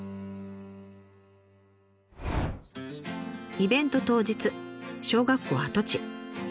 イベント当日小学校跡地。